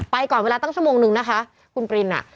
ก่อนเวลาตั้งชั่วโมงนึงนะคะคุณปรินอ่ะ